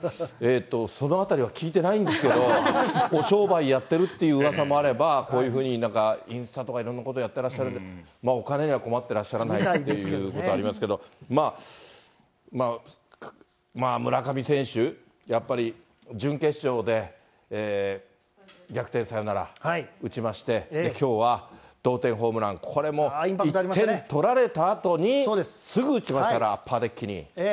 そのあたりは聞いてないんですけど、商売やってるっていううわさもあれば、こういうふうになんか、インスタとか、いろんなことやってらっしゃるんで、お金には困ってらっしゃらないということがありますけれども、まあ、村上選手、やっぱり準決勝で逆転サヨナラ打ちまして、きょうは同点ホームラン、これもう、１点取られたあとにすぐ打ちましたから、アッパーデッキに。